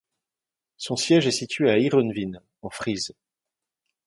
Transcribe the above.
Son siège est situé à Heerenveen, en Frise.